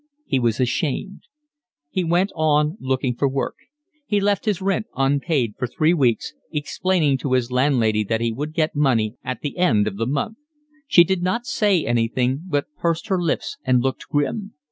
He was ashamed. He went on looking for work. He left his rent unpaid for three weeks, explaining to his landlady that he would get money at the end of the month; she did not say anything, but pursed her lips and looked grim.